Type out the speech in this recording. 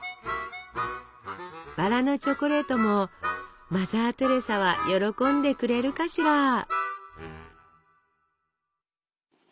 バラのチョコレートもマザー・テレサは喜んでくれるかしら？